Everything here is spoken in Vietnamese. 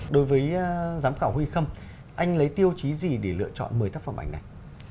đối với giám khảo huy khâm anh lấy tiêu chí gì để lựa chọn một mươi tác phẩm ảnh này